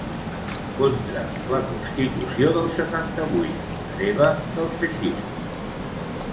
Contra la constitució del setanta-vuit, hereva del feixisme.